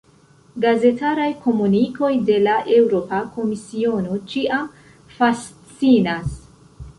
Gazetaraj komunikoj de la Eŭropa Komisiono ĉiam fascinas.